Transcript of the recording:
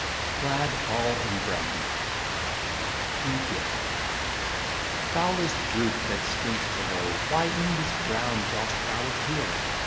CLAD ALL IN BROWN TO DICK Foulest brute that stinks below, Why in this brown dost thou appear?